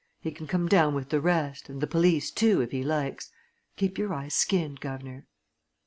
He can come down with the rest and the police, too, if he likes. Keep your eyes skinned, guv'nor."